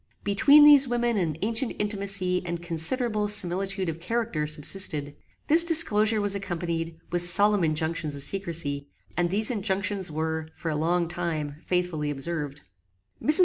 Between these women an ancient intimacy and considerable similitude of character subsisted. This disclosure was accompanied with solemn injunctions of secrecy, and these injunctions were, for a long time, faithfully observed. Mrs.